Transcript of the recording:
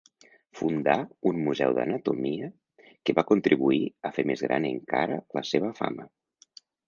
Fundà un Museu d'Anatomia, que va contribuir a fer més gran encara la seva fama.